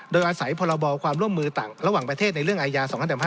โดยอาศัยพรบความร่วมมือต่างระหว่างประเทศในเรื่องอายา๒๕๖๒